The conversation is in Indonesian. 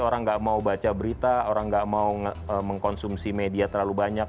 orang nggak mau baca berita orang nggak mau mengkonsumsi media terlalu banyak